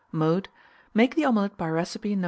Mode. Make the omelet by recipe No.